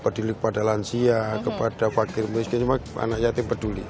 peduli kepada lansia kepada wakil miskin cuma anak yatim peduli